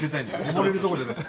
溺れるとこじゃなくて。